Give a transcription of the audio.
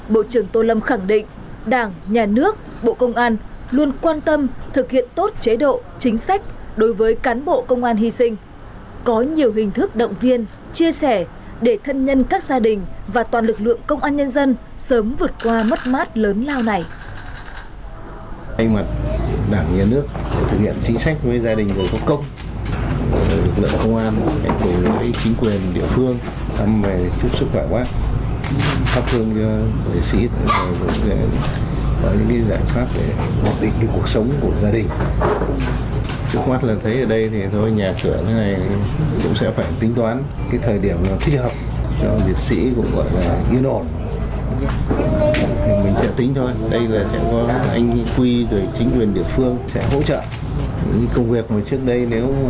bộ trưởng tô lâm khẳng định đảng nhà nước bộ công an luôn quan tâm thực hiện tốt chế độ chính sách đối với cán bộ công an nhân dân sớm vượt qua mất mát lớn lao này